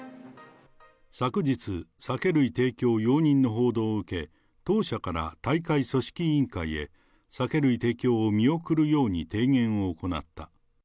昨日、酒類提供容認の報道を受け、当社から大会組織委員会へ、酒類提供を見送るように提言を行った。